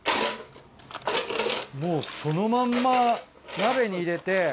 もうそのまんま鍋に入れて。